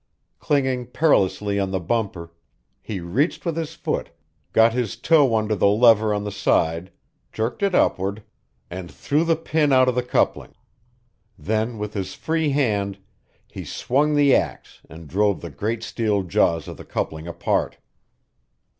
Clinging perilously on the bumper, he reached with his foot, got his toe under the lever on the side, jerked it upward, and threw the pin out of the coupling; then with his free hand he swung the axe and drove the great steel jaws of the coupling apart.